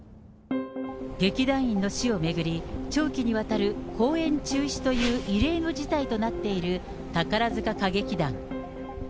劇団員の死を巡り、長期にわたる公演中止という異例の事態となっている宝塚歌劇団。